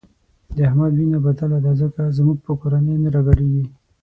د احمد وینه بدله ده ځکه زموږ په کورنۍ نه راګډېږي.